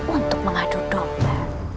untuk mengadu domba